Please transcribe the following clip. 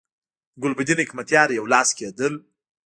د ګلبدین حکمتیار یو لاس کېدل.